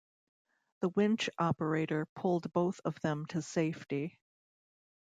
The winch operator pulled both of them to safety.